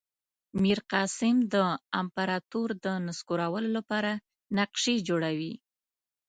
میرقاسم د امپراطور د نسکورولو لپاره نقشې جوړوي.